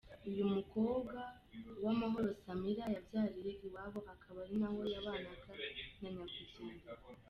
Uyu mukobwa, Uwamahoro Samirah yabyariye iwabo akaba ari naho yabanaga na Nyakwigendera.